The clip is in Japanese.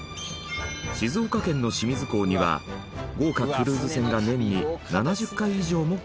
静岡県の清水港には豪華クルーズ船が年に７０回以上も寄港。